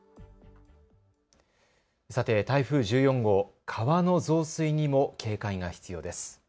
さて台風１４号、川の増水にも警戒が必要です。